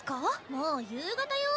もう夕方よ？